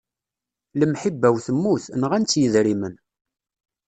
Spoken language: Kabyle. Lemḥibba-w temmut, nɣan-tt yedrimen.